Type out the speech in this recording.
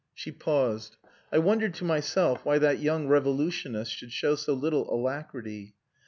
She paused. I wondered to myself why that young revolutionist should show so little alacrity.